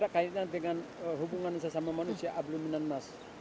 kaitkan dengan hubungan sesama manusia ablumina mas